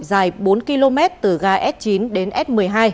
dài bốn km từ ga s chín đến s một mươi hai